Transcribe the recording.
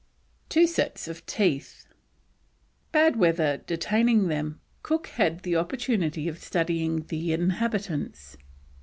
TWO SETS OF TEETH. Bad weather detaining them, Cook had an opportunity of studying the inhabitants.